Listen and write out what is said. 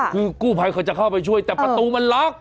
คือกู้ภัยเขาจะเข้าไปช่วยแต่ประตูมันล็อก